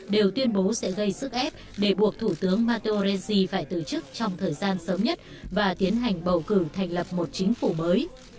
đều tuyên bố sẽ gây sức ép để buộc thủ tướng mattorenci phải từ chức trong thời gian sớm nhất và tiến hành bầu cử thành lập một chính phủ mới